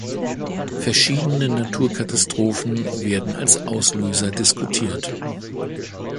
Verschiedene Naturkatastrophen werden als Auslöser diskutiert.